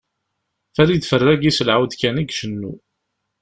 Farid Ferragi s lɛud kan i icennu.